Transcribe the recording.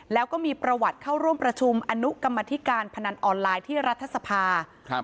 แล้วก็มีประวัติเข้าร่วมประชุมอนุกรรมธิการพนันออนไลน์ที่รัฐสภาครับ